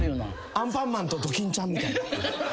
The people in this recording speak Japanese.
アンパンマンとドキンちゃんみたいな。